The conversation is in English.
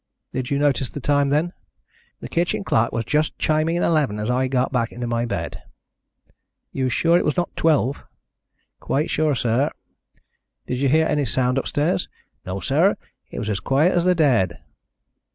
"Did you notice the time then?" "The kitchen clock was just chiming eleven as I got back to my bed." "You are sure it was not twelve?" "Quite sure, sir." "Did you hear any sound upstairs?" "No, sir. It was as quiet as the dead."